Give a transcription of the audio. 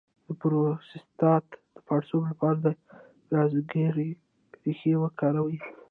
د پروستات د پړسوب لپاره د ګزګیرې ریښه وکاروئ